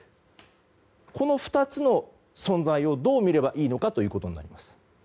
この２つの存在をどうみればいいのかということになります。